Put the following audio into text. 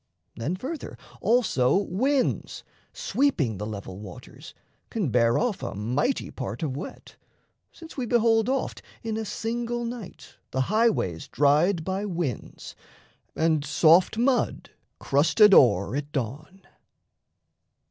Then, further, also winds, Sweeping the level waters, can bear off A mighty part of wet, since we behold Oft in a single night the highways dried By winds, and soft mud crusted o'er at dawn.